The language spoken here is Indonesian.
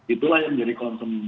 itulah yang menjadi konsumen